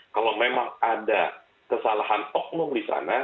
kalau memang ada kesalahan oknum di sana